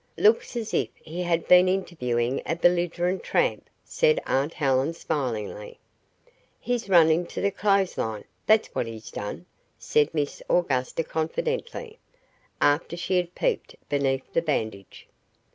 "Looks as if he had been interviewing a belligerent tramp," said aunt Helen, smilingly. "He's run into the clothes line, that's what he's done," said Miss Augusta confidently, after she had peeped beneath the bandage.